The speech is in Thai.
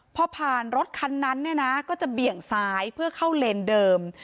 พอผ่านรถคันนั้นเนี่ยนะก็จะเบี่ยงซ้ายเพื่อเข้าเลนเดิม